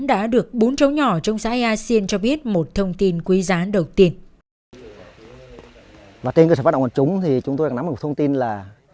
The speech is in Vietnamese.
và trên cơ sở phát động của chúng thì chúng tôi đã nắm được thông tin là